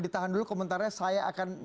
ditahan dulu komentarnya saya akan